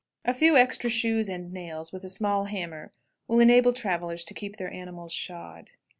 A few extra shoes and nails, with a small hammer, will enable travelers to keep their animals shod.